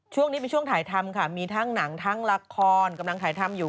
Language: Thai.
ช่วงนี้เป็นช่วงถ่ายทำค่ะมีทั้งหนังทั้งละครกำลังถ่ายทำอยู่